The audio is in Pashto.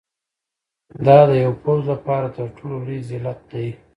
دا د یو پوځ لپاره تر ټولو لوی ذلت دی.